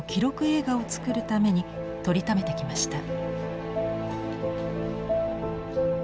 映画を作るために撮りためてきました。